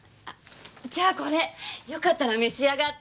じゃあこれよかったら召し上がって。